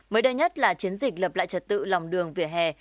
mới đây nhất là chiến dịch lập lại trật tự lòng đường vỉa hè